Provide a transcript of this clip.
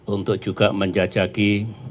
untuk juga menjajaki